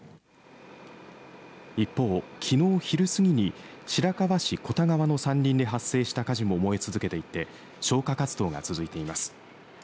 一方、きのう昼過ぎに白河市小田川の山林で発生した火事も燃え続けていて消火活動が続いています。